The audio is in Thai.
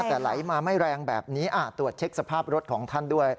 แต่ไหลมาไม่แรงแบบนี้ตรวจเช็คสภาพรถของท่านด้วย